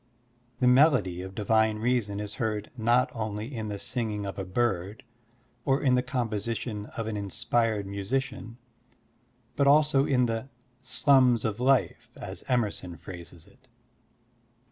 The melody of divine reason is heard not only in the singing of a bird or in the com position of an inspired musician, but also in the *' sltmis of life " as Emerson phrases it.